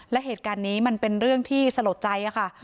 และเหตุการณ์นี้มันเป็นเรื่องที่สลดใจค่ะ